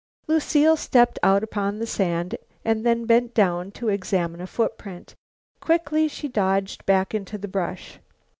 Lucile stepped out upon the sand, then bent down to examine a footprint. Quickly she dodged back into the brush.